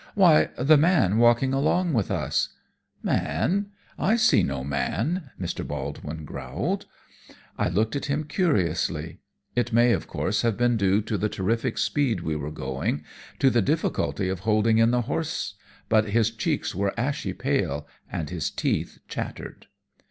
"Why, the man walking along with us!" "Man! I can see no man!" Mr. Baldwin growled. I looked at him curiously. It may, of course, have been due to the terrific speed we were going, to the difficulty of holding in the horse, but his cheeks were ashy pale, and his teeth chattered.